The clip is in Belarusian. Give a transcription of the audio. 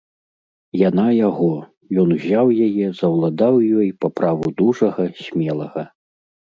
Яна яго, ён узяў яе, заўладаў ёй па праву дужага, смелага.